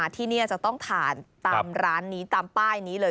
ตามร้านนี้ตามป้ายนี้เลย